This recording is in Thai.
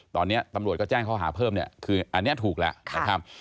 ตอนนี้ตำรวจก็แจ้งข้อหาเพิ่มเนี่ยคืออันนี้ถูกแล้วนะครับ